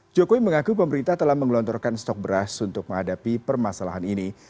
jokowi mengaku pemerintah telah menggelontorkan stok beras untuk menghadapi permasalahan ini